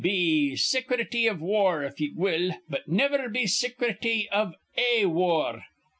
Be sicrety of war, if ye will; but niver be sicrety iv A war.